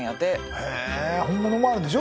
へえ本物もあるんでしょ？